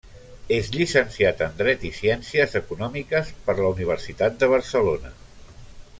És llicenciat en dret i ciències econòmiques per la Universitat de Barcelona.